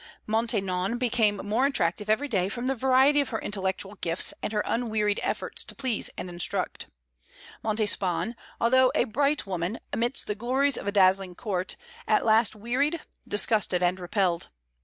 Maintenon became more attractive every day from the variety of her intellectual gifts and her unwearied efforts to please and instruct; Montespan, although a bright woman, amidst the glories of a dazzling court, at last wearied, disgusted and repelled.